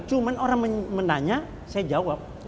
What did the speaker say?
cuma orang menanya saya jawab